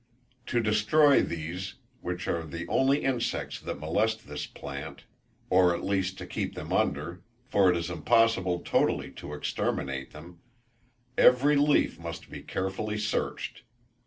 To destroy these, which are the only insects that molest this plant, or at least to keep them under, for it is impossible totally to exterminate them, every leaf must be carefully searched.